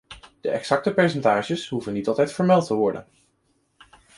De exacte percentages hoeven niet altijd vermeld te worden.